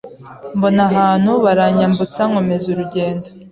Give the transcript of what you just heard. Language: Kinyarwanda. mbona abantu baranyambutsa nkomeza urugendo